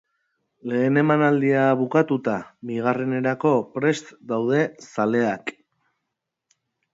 Lehen emanaldia bukatuta, bigarrenerako prest daude zaleak.